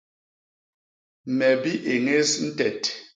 Me biéñés ntet.